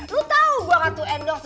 lo tahu gue gak tuh endorse